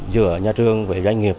giữa nhà trường với doanh nghiệp